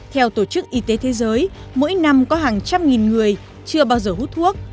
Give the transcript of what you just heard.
theo tổ chức y tế thế giới mỗi năm có hàng trăm nghìn người chưa bao giờ hút thuốc